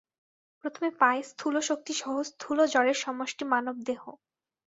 প্রথমে পাই স্থূলশক্তিসহ স্থূল জড়ের সমষ্টি মানবদেহ।